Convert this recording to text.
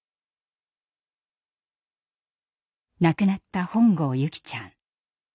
亡くなった本郷優希ちゃん。